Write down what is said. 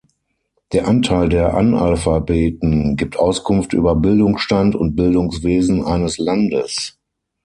Der Anteil der Analphabeten gibt Auskunft über Bildungsstand und Bildungswesen eines Landes.